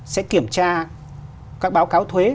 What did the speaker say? sẽ kiểm tra các báo cáo thuế